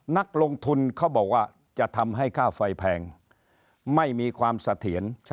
นักลงทุนเขาบอกว่าจะทำให้ค่าไฟแพงไม่มีความเสถียร